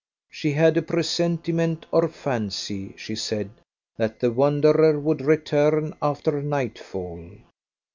She had a presentiment or fancy, she said, that the wanderer would return after nightfall.